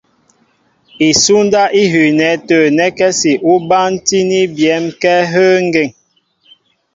Isúndáp í hʉʉnɛ tə̂ nɛ́kɛ́si ní bántíní byɛ̌m kɛ́ áhə́ ŋgeŋ.